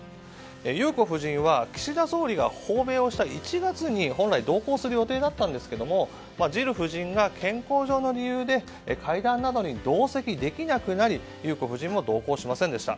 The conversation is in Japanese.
裕子夫人は岸田総理が訪米をした１月に本来同行する予定だったんですがジル夫人が健康上の理由で会談などに同席できなくなり裕子夫人も同行しませんでした。